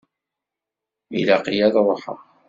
Ilaq-iyi ad ruḥeɣ.